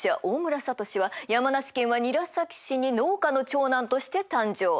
大村智は山梨県は韮崎市に農家の長男として誕生。